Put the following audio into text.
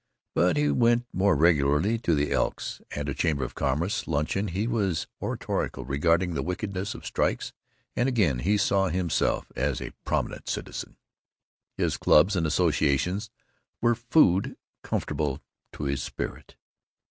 But he went more regularly to the Elks; at a Chamber of Commerce luncheon he was oratorical regarding the wickedness of strikes; and again he saw himself as a Prominent Citizen. His clubs and associations were food comfortable to his spirit.